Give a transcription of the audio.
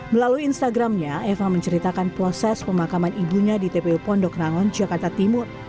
melalui instagramnya eva menceritakan proses pemakaman ibunya di tpu pondok rangon jakarta timur